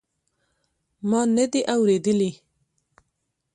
ما ندي اورېدلي.